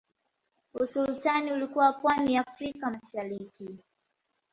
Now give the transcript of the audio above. Usultani ulikuwa pwani ya afrika mashariki